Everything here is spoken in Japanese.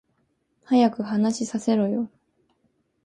早く話させろよ